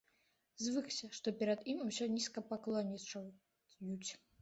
Звыкся, што перад ім усе нізкапаклоннічаюць.